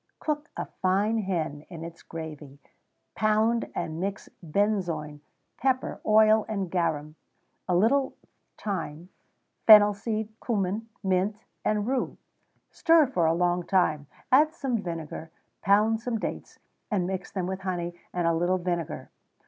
_ Cook a fine hen in its gravy; pound and mix benzoin, pepper, oil, and garum, a little thyme, fennel seed, cummin, mint, and rue; stir for a long time; add some vinegar; pound some dates, and mix them with honey and a little vinegar.